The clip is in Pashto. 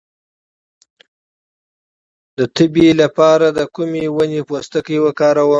د تبې لپاره د کومې ونې پوستکی وکاروم؟